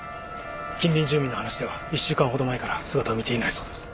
近隣住民の話では１週間ほど前から姿を見ていないそうです。